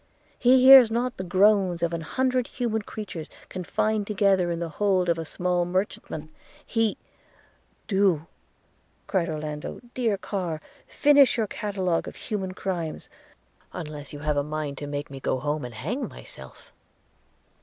He hears not the groans of an hundred human creatures confined together in the hold of a small merchantman – he ...' 'Do,' cried Orlando, 'dear Carr, finish your catalogue of human crimes, unless you have a mind to make me go home and hang myself.'